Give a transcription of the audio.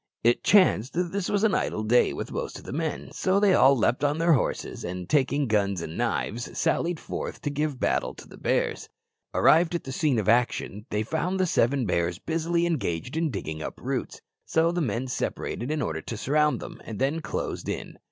It chanced that this was an idle day with most of the men, so they all leaped on their horses, and taking guns and knives sallied forth to give battle to the bears. Arrived at the scene of action, they found the seven bears busily engaged in digging up roots, so the men separated in order to surround them, and then closed in.